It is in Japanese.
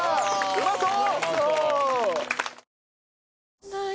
うまそう！